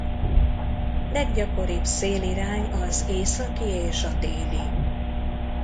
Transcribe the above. Leggyakoribb szélirány az északi és a déli.